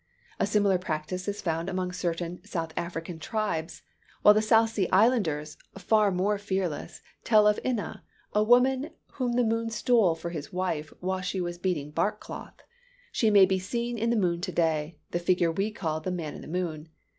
A similar practice is found among certain South African tribes: while the South Sea Islanders, far more fearless, tell of Ina, a woman whom the moon stole for his wife, while she was beating bark cloth. She may be seen in the moon to day the figure we call the "man in the moon."